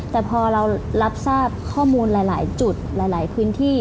แต่พอเรารับทราบข้อมูลหลายจุดหลายพื้นที่